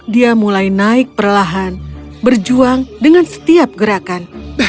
dia mulai naik perlahan berjuang dengan setiap gerakan